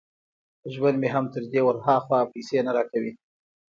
ژوند مې هم تر دې ور هاخوا پيسې نه را کوي.